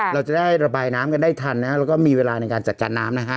เราจะได้ระบายน้ำกันได้ทันนะฮะแล้วก็มีเวลาในการจัดการน้ำนะฮะ